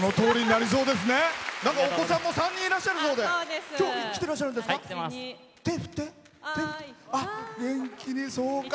お子さんも３人いらっしゃるそうで今日来ていらっしゃるんですか？